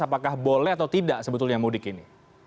apakah boleh atau tidak sebetulnya mudik ini